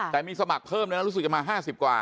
แต่มีสมัครเพิ่มด้วยนะรู้สึกจะมา๕๐กว่า